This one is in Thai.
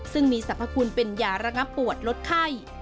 ซึ่งมีสรรพคุณเป็นยาระงับปวดลดไข้